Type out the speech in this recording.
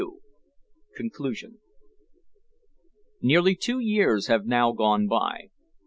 CONCLUSION Nearly two years have now gone by.